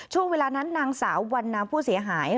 ช่วงเวลานั้นนางสาววันนามผู้เสียหาย